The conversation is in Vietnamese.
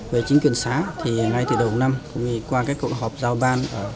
về chính quyền xã ngay từ đầu năm qua các cuộc họp giao ban